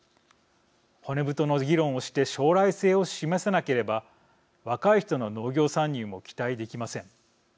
骨太の議論をして将来性を示せなければ若い人の農業参入も期待できません。